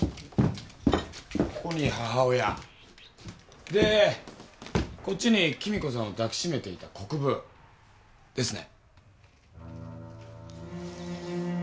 ここに母親でこっちに貴美子さんを抱き締めていた国府ですね？